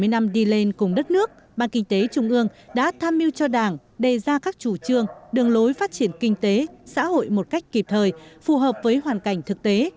bảy mươi năm đi lên cùng đất nước ban kinh tế trung ương đã tham mưu cho đảng đề ra các chủ trương đường lối phát triển kinh tế xã hội một cách kịp thời phù hợp với hoàn cảnh thực tế